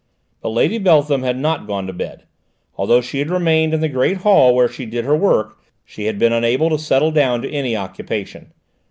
But Lady Beltham had not gone to bed. Although she had remained in the great hall where she did her work, she had been unable to settle down to any occupation.